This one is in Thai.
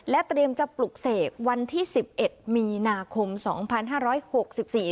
เตรียมจะปลุกเสกวันที่สิบเอ็ดมีนาคมสองพันห้าร้อยหกสิบสี่